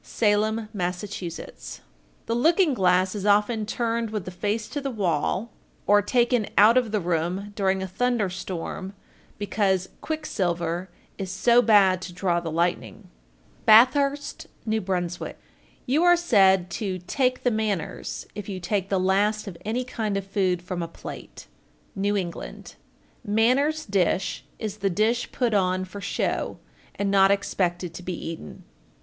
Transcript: Salem, Mass. 1408. The looking glass is often turned with the face to the wall, or taken out of the room during a thunder storm, because "quick silver is so bad to draw the lightning." Bathurst, N.B. 1409. You are said to "take the manners" if you take the last of any kind of food from a plate. New England. 1410. "Manners dish" is the dish put on for show, and not expected to be eaten.